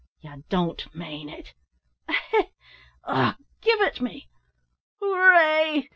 "Ye don't mane it! eh! Och! give it me. Hooray!"